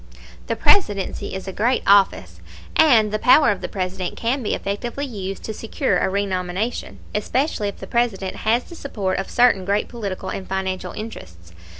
The Presidency is a great office, and the power of the President can be effectively used to secure a renomination, especially if the President has the support of certain great political and financial interests.